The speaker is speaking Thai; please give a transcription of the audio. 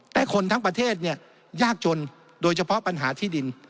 แต่คนทั้งประเทศเนี่ยยากจนโดยเฉพาะปัญหาที่ดิน